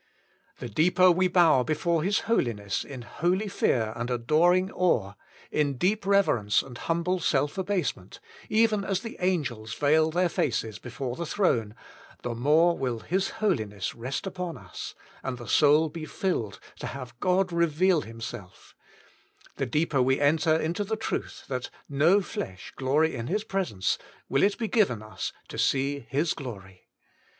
The deeper we how before His holiness in holy fear and adoring awe, in deep reverence and humble self abase ment, even as the angels veil their faces before the throne, the more will His holiness rest upon us, and the soul be filled to have God reveal Himself; the deeper we enter into the truth * that no flesh glory in His presence,' vrill it be given us to see His glory.